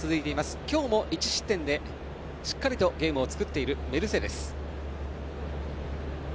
今日も１失点で、しっかりとゲームを作っているメルセデス。